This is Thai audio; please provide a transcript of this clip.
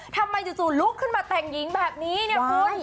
จู่ลุกขึ้นมาแต่งหญิงแบบนี้เนี่ยคุณ